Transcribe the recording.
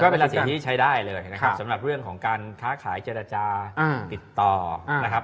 เป็นราศีที่ใช้ได้เลยนะครับสำหรับเรื่องของการค้าขายเจรจาติดต่อนะครับ